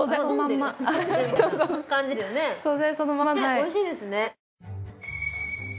おいしいですねはい。